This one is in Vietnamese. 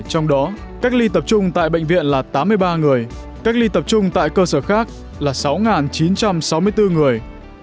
trong đó cách ly tập trung tại bệnh viện là tám mươi ba người cách ly tập trung tại cơ sở khác là sáu chín trăm sáu mươi bốn người